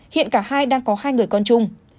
hiện cả hai đang có hai người con chung